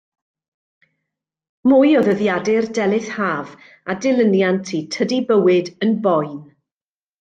Mwy o ddyddiadur Delyth Haf, a dilyniant i Tydi bywyd yn boen!